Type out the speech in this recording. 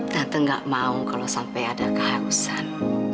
tante gak mau kalau sampai ada keharusan